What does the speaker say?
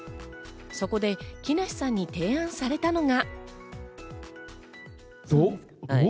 そこで木梨さんに提案されたのが。